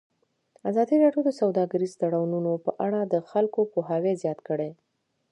ازادي راډیو د سوداګریز تړونونه په اړه د خلکو پوهاوی زیات کړی.